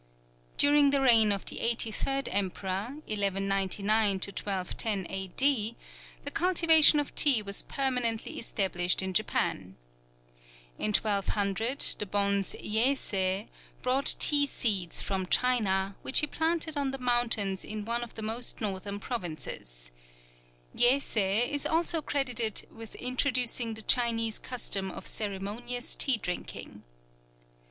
During the reign of the eighty third Emperor, 1199 1210 A.D., the cultivation of tea was permanently established in Japan. In 1200, the bonze, Yei Sei, brought tea seeds from China, which he planted on the mountains in one of the most northern provinces. Yei Sei is also credited with introducing the Chinese custom of ceremonious tea drinking.